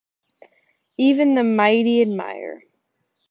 even the mighty admire